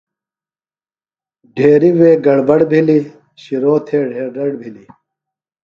ڈھیریۡ وے گڑ بڑ بِھلیۡ، شِروۡ تھے ڈہیر دڑ بِھلیۡ